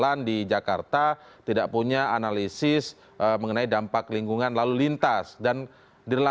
andri setiawan cnn indonesia